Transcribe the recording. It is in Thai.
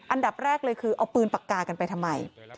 อันดับแรกเลยคือเอาปืนปากกากันไปทำไม